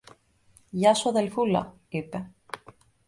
Γεια σου, αδελφούλα, είπε.